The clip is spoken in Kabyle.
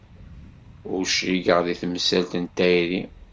Ur cligeɣ deg temsalt n tayri.